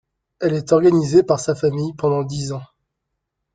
Elle est organisée par sa famille pendant dix ans.